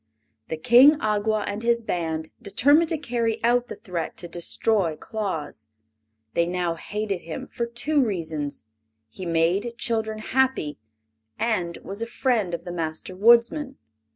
The King Awgwa and his band determined to carry out the threat to destroy Claus. They now hated him for two reasons: he made children happy and was a friend of the Master Woodsman.